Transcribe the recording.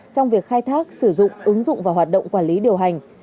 trong việc khai thác sử dụng ứng dụng và hoạt động quản lý điều hành